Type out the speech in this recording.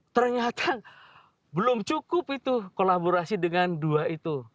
ternyata belum cukup itu kolaborasi dengan dua itu